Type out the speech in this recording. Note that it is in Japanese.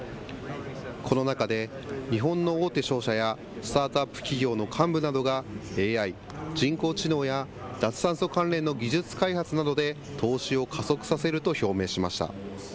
この中で、日本の大手商社やスタートアップ企業の幹部などが、ＡＩ・人工知能や、脱炭素関連の技術開発などで投資を加速させると表明しました。